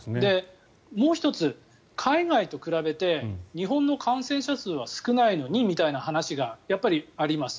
もう１つ、海外と比べて日本の感染者数は少ないのにみたいな話がやっぱりあります。